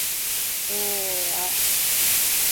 を―あ